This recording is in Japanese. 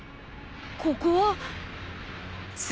ここは。